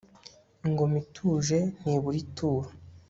ingoma ituje ntibura ituro